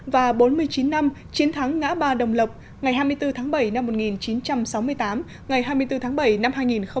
và bốn mươi chín năm chiến thắng ngã ba đồng lộc ngày hai mươi bốn tháng bảy năm một nghìn chín trăm sáu mươi tám ngày hai mươi bốn tháng bảy năm hai nghìn một mươi chín